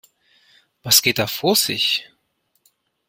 Was geht da vor sich?